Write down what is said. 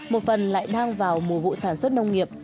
một phần lại đang vào mùa vụ sản xuất nông nghiệp